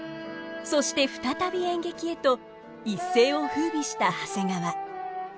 そして再び演劇へと一世を風靡した長谷川。